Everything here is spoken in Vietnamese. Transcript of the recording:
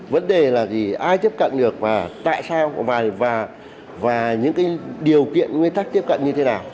vấn đề là gì ai tiếp cận được và tại sao và những điều kiện nguyên tắc tiếp cận như thế nào